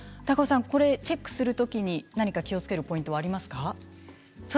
チェックするときに、何か気をつけるポイントはありますか。